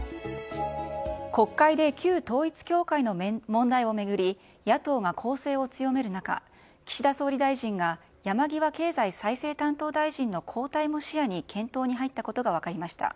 国会で旧統一教会の問題を巡り、野党が攻勢を強める中、岸田総理大臣が山際経済再生担当大臣の交代も視野に検討に入ったことが分かりました。